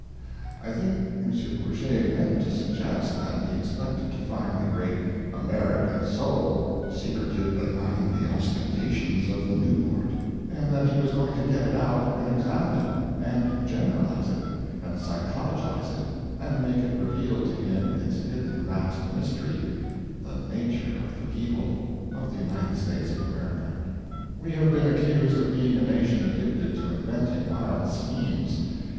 I think M. Bourget meant to suggest that he expected to find the great "American soul" secreted behind the ostentations of Newport; and that he was going to get it out and examine it, and generalize it, and psychologize it, and make it reveal to him its hidden vast mystery: "the nature of the people" of the United States of America. We have been accused of being a nation addicted to inventing wild schemes.